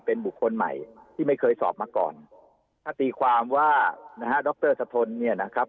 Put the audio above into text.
เป็นบุคคลใหม่ที่ไม่เคยสอบมาก่อนถ้าตีความว่านะฮะดรสะทนเนี่ยนะครับ